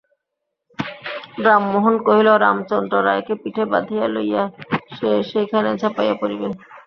রামমোহন কহিল, রামচন্দ্র রায়কে পিঠে বাঁধিয়া লইয়া সে সেইখানে ঝাঁপাইয়া পড়িবে।